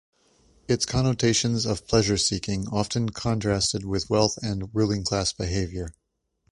Its connotations of pleasure-seeking often contrasted with wealth and ruling class behavior.